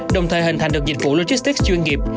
đồng thời hình thành được dịch vụ logistics chuyên nghiệp